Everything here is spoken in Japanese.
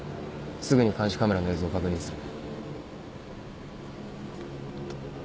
すぐに監視カメラの映像を確認する。